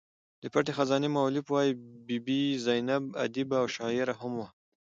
د پټې خزانې مولف وايي بي بي زینب ادیبه او شاعره هم وه.